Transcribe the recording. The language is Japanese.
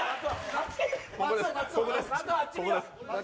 ここです。